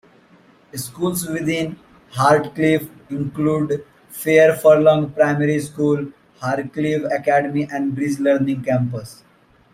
Schools within Hartcliffe include Fair Furlong Primary School, Hareclive Academy, and Bridge Learning Campus.